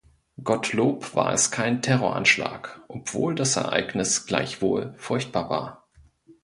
Gottlob war es kein Terroranschlag, obwohl das Ereignis gleichwohl furchtbar war.